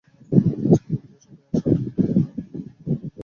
আজকালকার পুলিশদের সঙ্গে শর্টহ্যাণ্ড-জানা লোকজন হয়তো থাকে, নিসার আলি জানেন না!